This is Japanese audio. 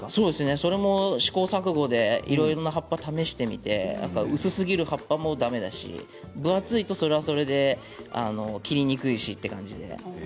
それも試行錯誤でいろいろな葉っぱを試してみて薄すぎる葉っぱもだめだし分厚いと、それはそれで切りにくいしという感じで。